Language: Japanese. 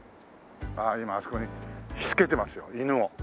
ああ今あそこにしつけてますよ犬を。